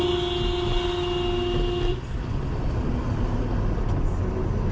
แฮ